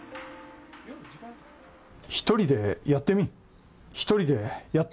１人でやってみん？